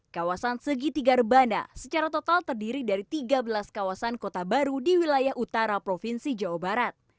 kawasan segitiga rebana secara total terdiri dari tiga belas kawasan kota baru di wilayah utara provinsi jawa barat